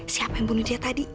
siapa yang bunuh dia tadi